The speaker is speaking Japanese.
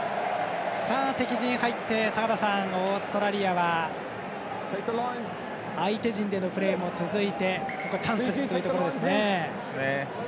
敵陣入ってオーストラリアは相手陣でのプレーが続いてチャンスというところですね。